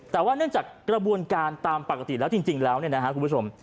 แต่ว่าเนื่องจากกระบวนการตามปกติแล้วจริงแล้วเนี่ยนะครับคุณผู้ชม